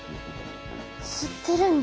吸ってるんだ。